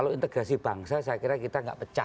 kalau integrasi bangsa saya kira kita nggak pecah